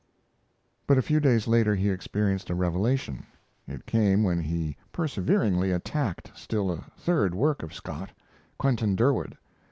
But a few days later he experienced a revelation. It came when he perseveringly attacked still a third work of Scott Quentin Durward.